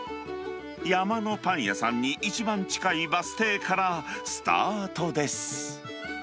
山のパン屋さんに一番近いバス停からスタートです。